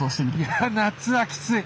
いや夏はきつい！